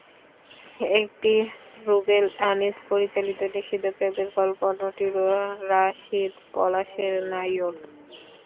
একটি রুবেল আনিস পরিচালিত নিষিদ্ধ প্রেমের গল্প, অন্যটি রাশিদ পলাশের নাইওর।